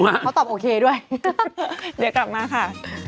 เขาตอบโอเคด้วยเดี๋ยวกลับมาค่ะ